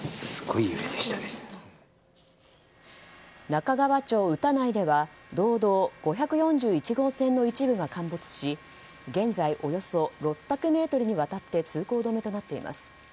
中川町歌内では道道５４１号線の一部が陥没し現在、およそ６００ｍにわたって通行止めとなっています。